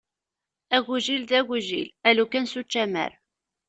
Agujil d agujil, a lukan s učamar.